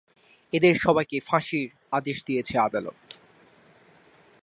এদের সবাইকে ফাঁসির আদেশ দিয়েছে আদালত।